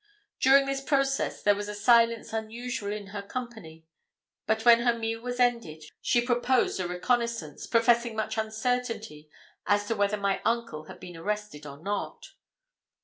During this process there was a silence unusual in her company; but when her meal was ended she proposed a reconnaissance, professing much uncertainty as to whether my Uncle had been arrested or not.